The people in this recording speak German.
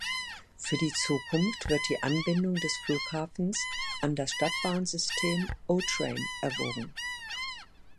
Für die Zukunft wird die Anbindung des Flughafens an das Stadtbahn-System O-Train erwogen.